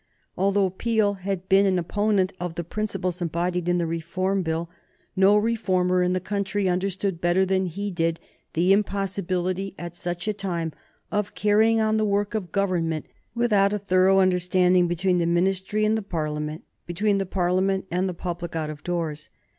Although Peel had been an opponent of the principles embodied in the Reform Bill, no reformer in the country understood better than he did the impossibility, at such a time, of carrying on the work of the Government without a thorough understanding between the Ministry and the Parliament, between the Parliament and the public out of doors.